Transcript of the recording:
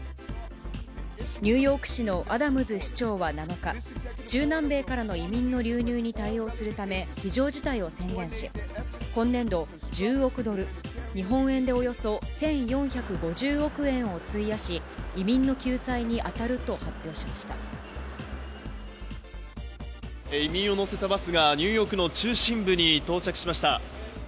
ニューヨーク市のアダムズ市長は７日、中南米からの移民の流入に対応するため、非常事態を宣言し、今年度１０億ドル、日本円でおよそ１４５０億円を費やし、移民の移民を乗せたバスが、ニューヨークの中心部に到着しました。